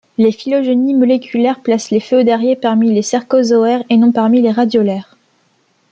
Les phylogénies moléculaires placent les Phéodariés parmi les Cercozoaires et non parmi les Radiolaires.